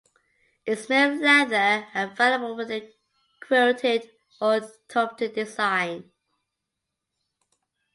It's made of leather and available with a quilted or tufted design.